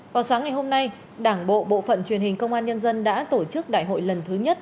vào sáng ngày hôm nay đảng bộ bộ phận truyền hình công an nhân dân đã tổ chức đại hội lần thứ nhất